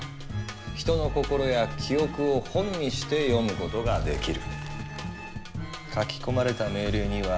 人の心や記憶を「本」にして読むことができる。